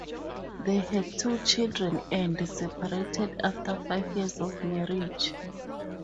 They had two children and separated after five years of marriage.